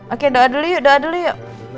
oke doa dulu yuk doa dulu yuk